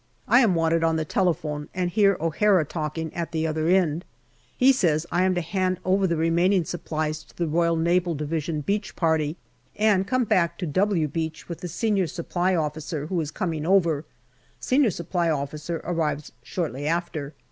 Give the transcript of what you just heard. I am wanted on the telephone, and hear O'Hara talking at the other end. He says I am to hand over the remaining supplies to the R.N.D. beach party, and come back to " W" beach with the S.S.O., who is coming over. S.S.O. arrives shortly after.